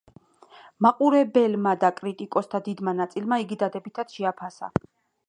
მაყურებლებმა და კრიტიკოსთა დიდმა ნაწილმა იგი დადებითად შეაფასეს.